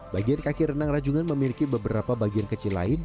bagian kaki renang rajungan memiliki beberapa bagian kecil lain